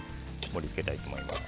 盛り付けたいと思います。